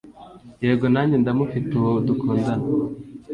yego nange ndamufite uwo dukundana.